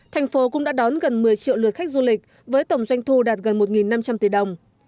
thành phố cũng đã đón gần một mươi triệu lượt khách du lịch với tổng doanh thu đạt gần một năm trăm linh tỷ đồng